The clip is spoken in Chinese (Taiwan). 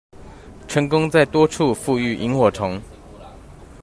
成功在多處復育螢火蟲